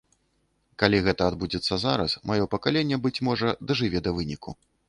Калі гэта адбудзецца зараз, маё пакаленне, быць можа, дажыве да выніку.